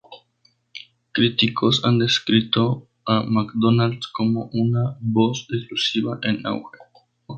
Críticos han descrito a Macdonald cómo una voz explosiva en auge.